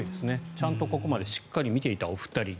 ちゃんとここまで見ていたお二人。